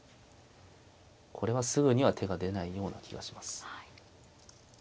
これはすぐには手が出ないような気がします。